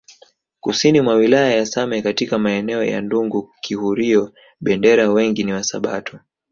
Kusini mwa wilaya ya Same katika maeneo ya Ndungu Kihurio Bendera wengi ni wasabato